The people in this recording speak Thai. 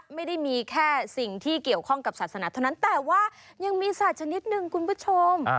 ไม่ได้มีแค่สิ่งที่เกี่ยวข้องกับศาสนาเท่านั้นแต่ว่ายังมีสัตว์ชนิดหนึ่งคุณผู้ชม